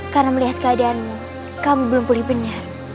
karena melihat keadaanmu kamu belum pulih benar